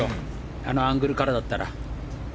あのアングルからだったら。